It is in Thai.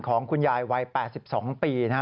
ของคุณยายวัย๘๒ปีนะฮะ